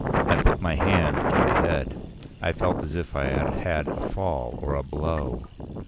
I put my hand to my head. I felt as if I had had a fall or a blow.